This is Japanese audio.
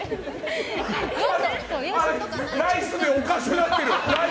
ナイスでおかしくなってる！